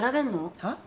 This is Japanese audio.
はっ？